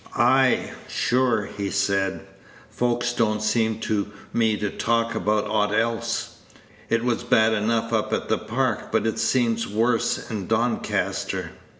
"Ay, sure," he said, "folks don't seem to me to talk about aught else. It was bad enough up at the Park, but it seems worse in Doncaster."